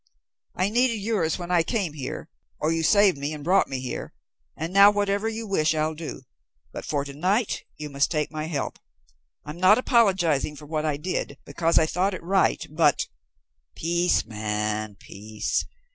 "I needed yours when I came here or you saved me and brought me here, and now whatever you wish I'll do, but for to night you must take my help. I'm not apologizing for what I did, because I thought it right, but " "Peace, man, peace.